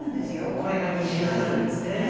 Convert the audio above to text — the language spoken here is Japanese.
これが煮汁になるんですね。